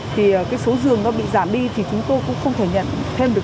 thì cái số giường nó bị giảm đi thì chúng tôi cũng không có thể cứu sống được